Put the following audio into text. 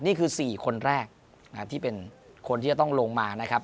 นี่คือ๔คนแรกที่เป็นคนที่จะต้องลงมานะครับ